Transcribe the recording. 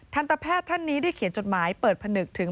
ทันตแพทย์ท่านนี้ได้เขียนจดหมายเปิดผนึกถึง